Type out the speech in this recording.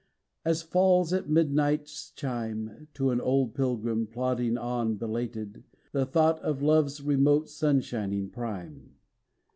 As falls, at midnight's chime To an old pilgrim, plodding on belated, The thought of Love's remote sunshining prime.